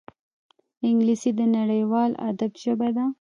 انګلیسي د نړیوال ادب ژبه ده